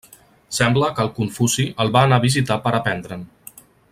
Sembla que el Confuci el va anar a visitar per aprendre'n.